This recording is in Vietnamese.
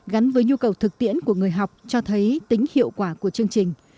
gắn với nhu cầu thực tiễn của người học cho thấy tính hiệu quả của chương trình